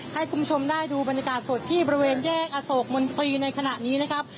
ให้คุณผู้ชมได้ดูบรรยากาศสดที่บริเวณแยกอโศกมนตรีในขณะนี้นะครับ